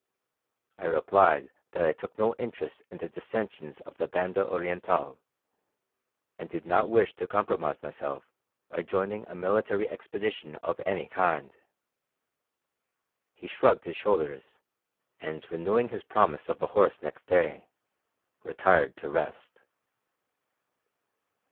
I replied that I took no interest in the dissensions of the Banda Orientál, and did not wish to compromise myself by joining a military expedition of any kind. He shrugged his shoulders, and, renewing his promise of a horse next day, retired to rest.